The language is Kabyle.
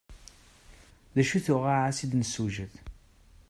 D acu-t uɣaɛas i d-nessewjed?